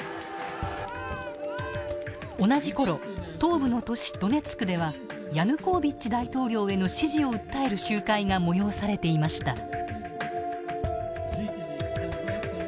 同じ頃東部の都市ドネツクではヤヌコービッチ大統領への支持を訴える集会が催されていました。